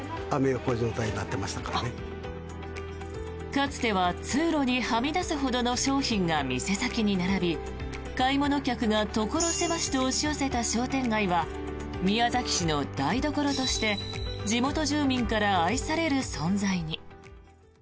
かつては通路にはみ出すほどの商品が店先に並び買い物客が所狭しと押し寄せた商店街は宮崎市の台所として地元住民から愛される存在に。